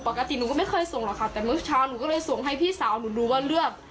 ปกติหนูก็ไม่เคยส่งหรอกค่ะแต่เมื่อเช้าหนูก็เลยส่งให้พี่สาวหนูดูว่าเลือก